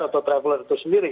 atau traveler itu sendiri